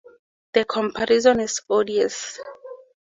The comparison is odious.